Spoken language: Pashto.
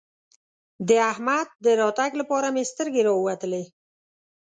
د احمد د راتګ لپاره مې سترګې راووتلې.